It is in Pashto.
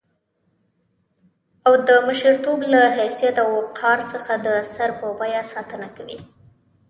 او د مشرتوب له حيثيت او وقار څخه د سر په بيه ساتنه کوي.